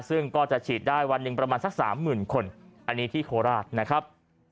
ซึ่งก็จะฉีดได้วันหนึ่งประมาณสักสามหมื่นคนอันนี้ที่โคราชนะครับ